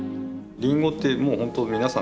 リンゴってもう本当皆さん